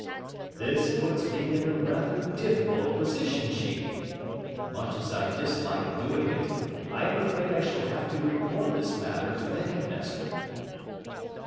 "This puts me in a rather difficult position, Sheen. Much as I dislike doing it, I am afraid I shall have to report this matter to the headmaster."